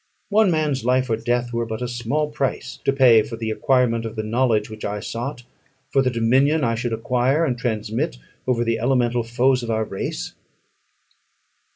One man's life or death were but a small price to pay for the acquirement of the knowledge which I sought; for the dominion I should acquire and transmit over the elemental foes of our race.